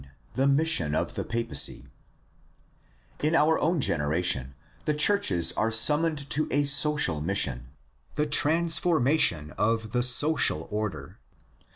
THE MISSION OF THE PAPACY In our own generation the churches are summoned to a social mission: the transformation of the social order.